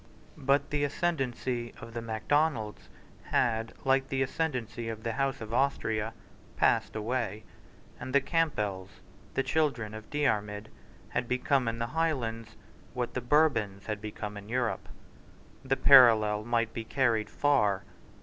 But the ascendancy of the Macdonalds had, like the ascendancy of the House of Austria, passed away; and the Campbells, the children of Diarmid, had become in the Highlands what the Bourbons had become in Europe. The parallel might be carried far.